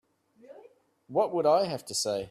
What would I have to say?